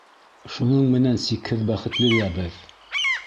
Шуның менән сикһеҙ бәхетле лә беҙ.